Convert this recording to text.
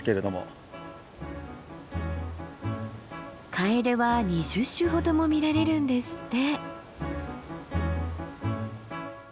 カエデは２０種ほども見られるんですって。